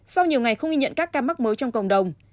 sau nhiều ngày không ghi nhận các ca mắc mới trong cộng đồng